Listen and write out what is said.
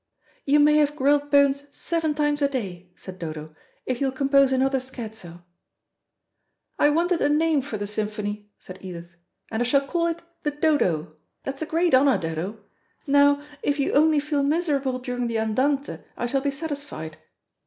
"You may have grilled bones seven times a day," said Dodo, "if you'll compose another scherzo." "I wanted a name for the symphony," said Edith, "and I shall call it the 'Dodo.' That's a great honour, Dodo. Now, if you only feel miserable during the 'Andante,' I shall be satisfied.